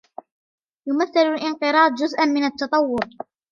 يمثل الانقراض جزءا من التطور